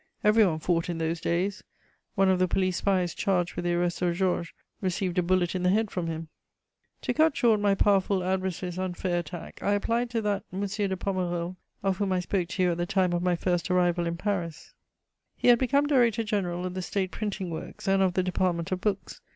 Everyone fought in those days: one of the police spies charged with the arrest of Georges received a bullet in the head from him. To cut short my powerful adversary's unfair attack, I applied to that M. de Pommereul of whom I spoke to you at the time of my first arrival in Paris: he had become director general of the State printing works and of the department of books.